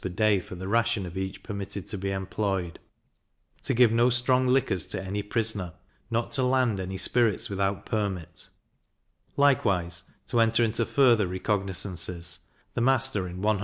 per day for the ration of each permitted to be employed; to give no strong liquors to any prisoner; not to land any spirits without permit; likewise to enter into further recognizances, the master in 100L.